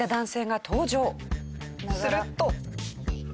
すると。